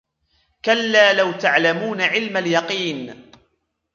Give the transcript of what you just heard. كَلَّا لَوْ تَعْلَمُونَ عِلْمَ الْيَقِينِ